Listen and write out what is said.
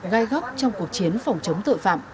gai góc trong cuộc chiến phòng chống tội phạm